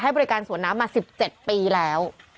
บริการสวนน้ำมา๑๗ปีแล้ว